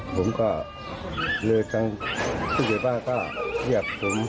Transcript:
ผมก็เลยทั้งที่เด็ดบ้านก็เรียกผมมา